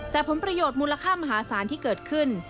แต่ผลประโยชน์มูลค่ามหาศาลที่เกิดขึ้น